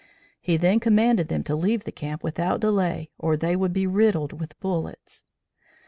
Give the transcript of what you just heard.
He then commanded them to leave the camp without delay or they would be riddled with bullets.